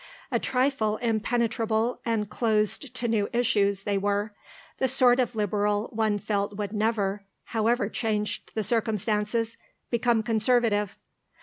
A trifle impenetrable and closed to new issues, they were; the sort of Liberal one felt would never, however changed the circumstances, become Conservative.